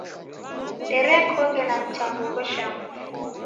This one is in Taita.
Derekoghe na mtambo ghosha mfu.